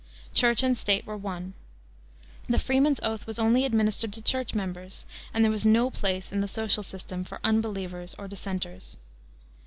Church and State were one. The freeman's oath was only administered to Church members, and there was no place in the social system for unbelievers or dissenters.